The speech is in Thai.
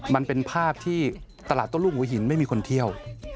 มันเป็นภาพที่ตลาดต้นลูกหัวหินไม่มีคนเที่ยว